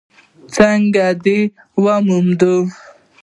_څنګه دې وموند؟